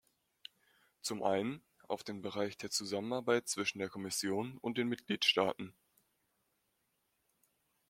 Zum einen, auf den Bereich der Zusammenarbeit zwischen der Kommission und den Mitgliedstaaten.